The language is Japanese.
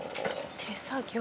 手作業。